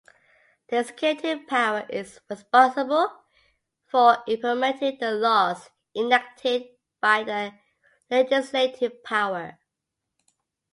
The executive power is responsible for implementing the laws enacted by the legislative power.